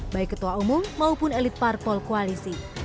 baik ketua umum maupun elit parpol koalisi